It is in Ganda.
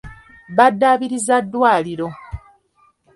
Baddaabiriza ddwaliro.